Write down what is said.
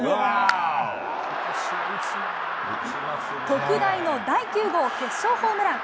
特大の第９号決勝ホームラン。